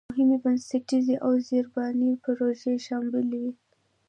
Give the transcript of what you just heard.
مهمې بنسټیزې او زېربنایي پروژې شاملې وې.